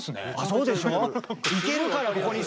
そうでしょ。